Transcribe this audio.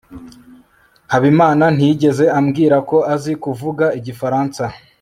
habimana ntiyigeze ambwira ko azi kuvuga igifaransa